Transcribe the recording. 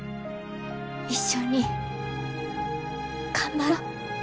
一緒に頑張ろ。